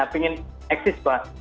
pengen eksis bah